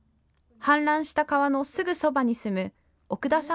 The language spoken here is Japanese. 氾濫した川のすぐそばに住む奥田さん